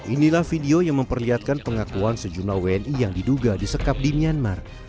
inilah video yang memperlihatkan pengakuan sejumlah wni yang diduga disekap di myanmar